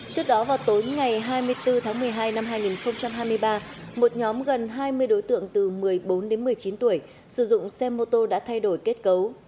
trước đó vào tối ngày hai mươi bốn tháng một mươi hai năm hai nghìn hai mươi ba một nhóm gần hai mươi đối tượng từ một mươi bốn đến một mươi chín tuổi sử dụng xe mô tô đã thay đổi kết cấu